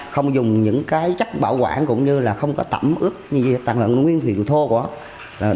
không dùng những chất bảo quản cũng như không có tẩm ướp như tặng nguyên thủy thô của nó